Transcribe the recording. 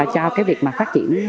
cho việc phát triển